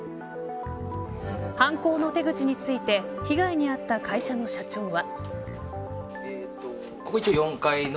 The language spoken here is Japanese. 犯行の手口について被害に遭った会社の社長は。